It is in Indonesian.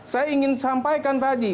saya ingin sampaikan tadi